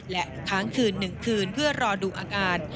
และค้างคืน๑คืนเพื่อรอดูอาการ